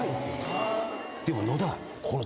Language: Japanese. でも野田。